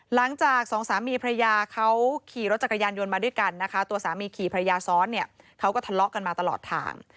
หลังจากสองสามีพระยาเขาขี่รถจักรยานยนต์มาด้วยกันนะคะตัวสามีขี่ภรรยาซ้อนเนี่ยเขาก็ทะเลาะกันมาตลอดทาง